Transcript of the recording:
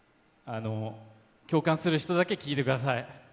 共感する人だけ聞いてください。